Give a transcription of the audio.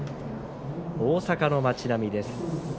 大阪の街並みです。